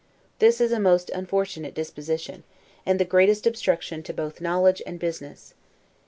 This is a most unfortunate disposition, and the greatest obstruction to both knowledge and business.